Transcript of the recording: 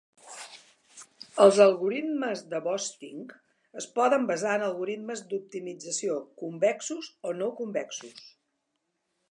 Els algoritmes de Boosting es poden basar en algoritmes d'optimització convexos o no convexos.